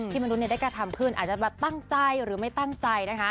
ที่มนุษย์ได้กระทำขึ้นอาจจะตั้งใจหรือไม่ตั้งใจ